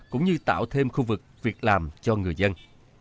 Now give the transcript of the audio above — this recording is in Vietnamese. cũng như tạo thêm khu vực việc làm cho người dân